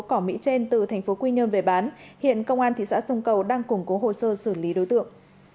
cỏ mỹ trên từ thành phố quy nhơn về bán hiện công an thị xã sông cầu đang củng cố hồ sơ xử lý đối tượng